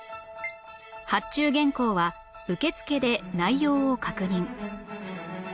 発注原稿は受付で内容を確認